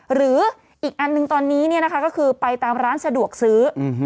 หรืออีกอันหนึ่งตอนนี้เนี่ยนะคะก็คือไปตามร้านสะดวกซื้อ